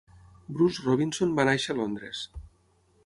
Bruce Robinson va néixer a Londres.